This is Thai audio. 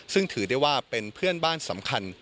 ซึ่งถือได้ว่าเป็นเพื่อนบ้านสำคัญ